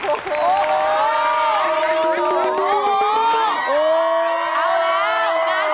เหม็นการเย็นข้อมดอะไรแล้ว